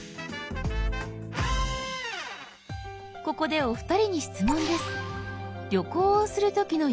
ここでお二人に質問です。